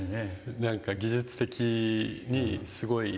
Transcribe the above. なんか技術的にすごい。